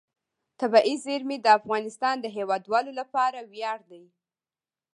طبیعي زیرمې د افغانستان د هیوادوالو لپاره ویاړ دی.